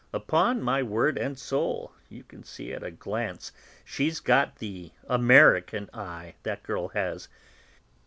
Upon my word and soul, you can see at a glance she's got the American eye, that girl has.